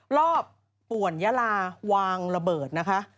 รอบป่วนยาลาวางระเบิดนะคะ